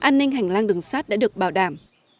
nên hành lang đường sát đã được bảo đảm